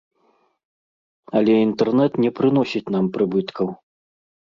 Але інтэрнэт не прыносіць нам прыбыткаў.